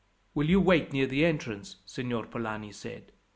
"Will you wait near the entrance?" Signor Polani said.